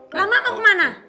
lama mau kemana